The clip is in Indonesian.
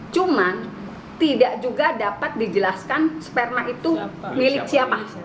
cuma tidak juga dapat dijelaskan sperma itu milik siapa